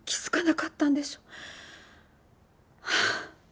はあ。